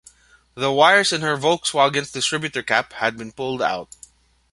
The wires in her Volkswagen's distributor cap had been pulled out.